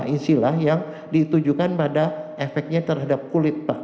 insilah yang ditujukan pada efeknya terhadap kulit pak